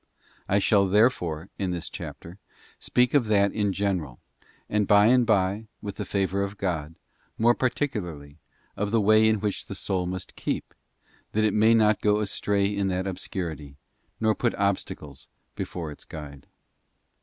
I shall, therefore, in this chapter, speak of that in general, and by and by, with the favour of God, more particularly of the way which the soul must. keep, that it may not go astray in that obscurity, nor put obstacles before its guide.